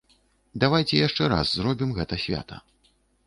Давайце яшчэ раз зробім гэта свята.